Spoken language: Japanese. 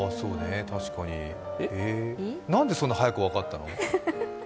何でそんな早く分かったの？